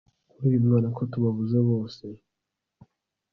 kuri uyu mwana ko tubabuze bose